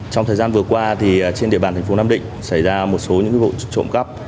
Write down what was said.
trong thời gian vừa qua trên địa bàn thành phố nam định xảy ra một số những vụ trộm cắp